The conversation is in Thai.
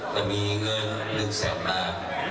จะมีเงินหนึ่งแสนบาท